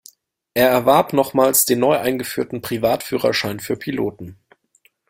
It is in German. Er erwarb nochmals den neu eingeführten Privat-Führerschein für Piloten.